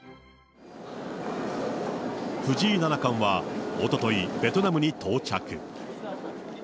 藤井七冠はおととい、ベトナムに到着。